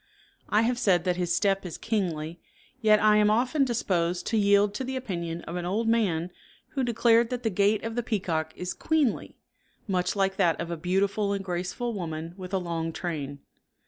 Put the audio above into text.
I have said that his step is kingly, yet I am often disposed to yield to the opinion of an old man who declared that the gait of the peacock is queenly, much like that of a beautiful and graceful woman with a long train.